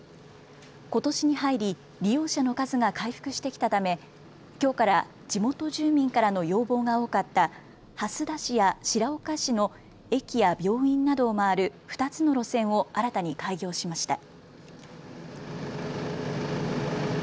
ことしに入り利用者の数が回復してきたためきょうから地元住民からの要望が多かった蓮田市や白岡市の駅や病院などを回る２つの路線を新たに開業しました。